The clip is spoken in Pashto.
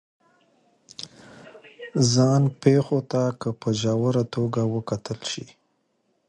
ځان پېښو ته که په ژوره توګه وکتل شي